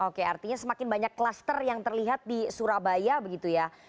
oke artinya semakin banyak klaster yang terlihat di surabaya begitu ya